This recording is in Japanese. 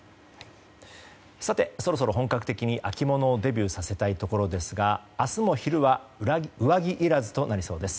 そろそろ本格的に秋物をデビューさせたいところですが明日も昼は上着いらずとなりそうです。